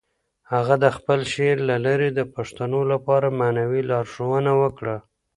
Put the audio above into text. هغه د خپل شعر له لارې د پښتنو لپاره معنوي لارښوونه وکړه.